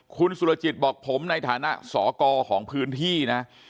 คุณสุรจิตบอกผมในฐานะสกของพื้นที่นะ